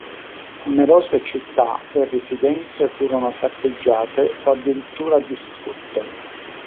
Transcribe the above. Numerose città e residenze furono saccheggiate o addirittura distrutte.